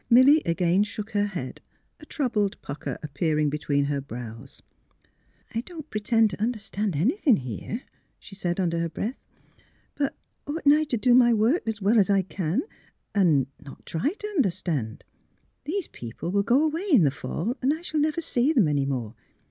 Milly again shook her head, a troubled pucker appearing between her brows. " I don't pretend to understand anything, here," she said, under her breath. '' But — oughtn't I to do my work as well as I can and — 148 THE HEAET OF PHILURA not try to understand? These people will go away in the fall, and I shall never see them any more.